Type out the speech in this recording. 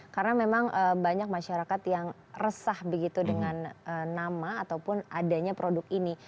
karena memang banyak masyarakat yang resah begitu dengan nama ataupun adanya produk ini